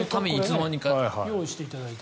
用意していただいて。